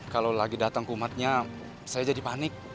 kalau lagi datang kumatnya saya jadi panik